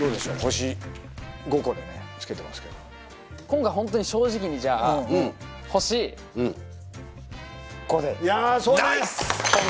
星５個でねつけてますけども今回ホントに正直にじゃあ星５でいやそうね